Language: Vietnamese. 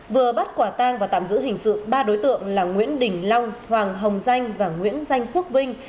vừa bắt quả tang và tạm giữ hình sự ba đối tượng là nguyễn đình long hoàng hồng danh và nguyễn danh quốc vinh